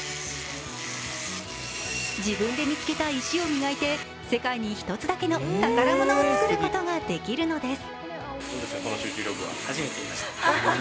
自分で見つけた石を磨いて、世界に一つだけの宝物を作ることができるのです。